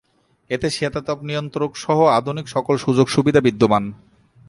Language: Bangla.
এতে শীতাতপ নিয়ন্ত্রক সহ আধুনিক সকল সুযোগ সুবিধা বিদ্যমান।